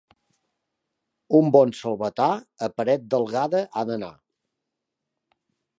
Un bon selvatà, a Paretdelgada ha d'anar.